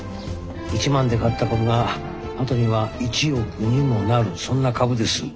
１万で買った株が後には１億にもなるそんな株です。